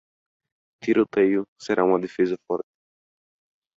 Tiroteio será uma defesa forte.